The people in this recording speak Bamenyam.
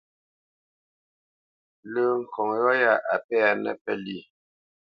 Lə́ ŋkɔŋ yɔ̂ yá a pɛ́nə́ pə́lye: